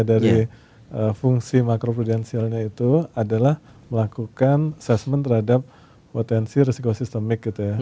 dari fungsi makro prudensialnya itu adalah melakukan assessment terhadap potensi risiko sistemik gitu ya